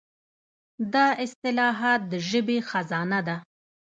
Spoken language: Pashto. دا اصطلاحات د ژبې خزانه ده.